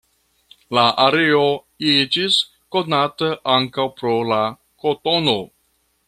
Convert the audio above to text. La areo iĝis konata ankaŭ pro la kotono.